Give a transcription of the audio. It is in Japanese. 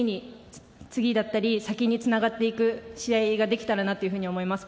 次だったり先につながる試合ができたらなと思います。